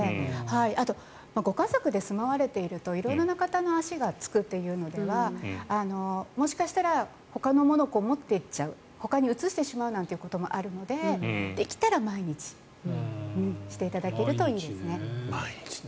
あと、ご家族で住まわれていると色々な方の足がつくというのではもしかしたらほかのものを持っていっちゃうほかに移してしまうということもあるのでできたら毎日していただけるといいですね。